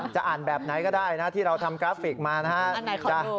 จะอ่านแบบไหนก็ได้นะที่เราทำกราฟิกมานะครับ